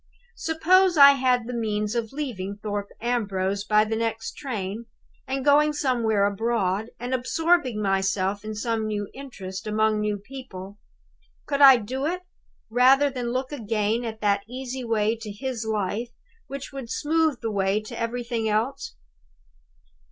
"Suppose I had the means of leaving Thorpe Ambrose by the next train, and going somewhere abroad, and absorbing myself in some new interest, among new people. Could I do it, rather than look again at that easy way to his life which would smooth the way to everything else?